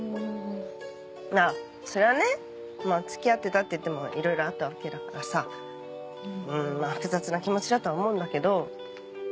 いやそりゃね付き合ってたっていってもいろいろあったわけだからさ複雑な気持ちだとは思うんだけど。